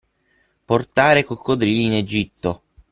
Portare coccodrilli in Egitto.